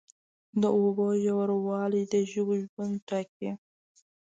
د اوبو ژوروالی د ژویو ژوند ټاکي.